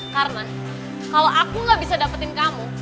karena kalau aku gak bisa dapetin kamu